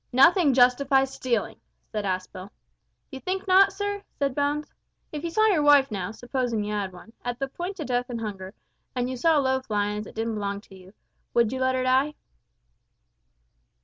"Nothing justifies stealing," said Aspel. "D'ee think not, sir?" said Bones. "If you saw your wife now, supposin' you had one, at the pint of death with hunger, an' you saw a loaf lyin' as didn't belong to you, would you let her die?"